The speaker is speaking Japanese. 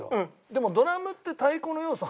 でもドラムって太鼓の要素